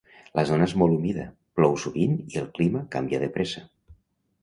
La zona és molt humida, plou sovint i el clima canvia de pressa.